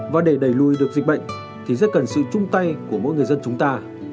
và để đẩy lùi được dịch bệnh thì rất cần sự chung tay của mỗi người dân chúng ta